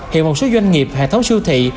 hiệu một số doanh nghiệp hệ thống siêu thị